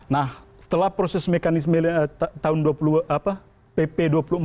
nah setelah proses mekanisme pp dua puluh empat dua ribu dua belas